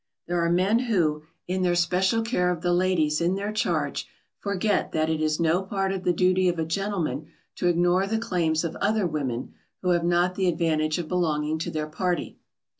There are men who, in their special care of the ladies in their charge, forget that it is no part of the duty of a gentleman to ignore the claims of other women who have not the advantage of belonging to their party.